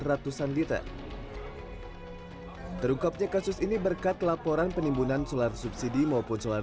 ratusan liter terungkapnya kasus ini berkat laporan penimbunan solar subsidi maupun solar